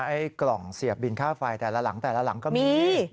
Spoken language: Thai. ไอ้กล่องเสียบบินค่าไฟแต่ละหลังแต่ละหลังก็มี